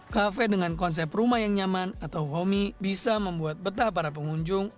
kafe dengan konsep rumah yang nyaman atau homi bisa membuat betah para pengunjung